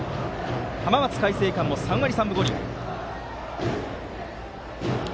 浜松開誠館も３割３分５厘。